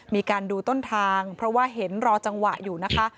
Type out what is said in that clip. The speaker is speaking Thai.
มีการดูต้นทางเพราะว่าเห็นรอจังหวะอยู่นะคะ